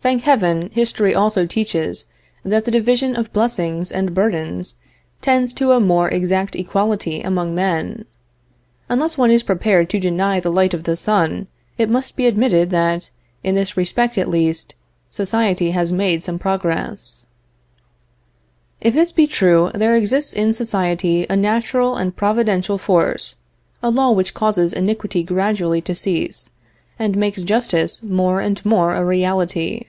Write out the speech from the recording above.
Thank Heaven, history also teaches that the division of blessings and burdens tends to a more exact equality among men. Unless one is prepared to deny the light of the sun, it must be admitted that, in this respect at least, society has made some progress. If this be true, there exists in society a natural and providential force, a law which causes iniquity gradually to cease, and makes justice more and more a reality.